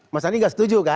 mas ani tidak setuju kan